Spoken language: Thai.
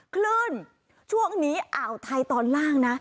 คลื่นช่วงนี้อ่าวไทยตอนล่างนะ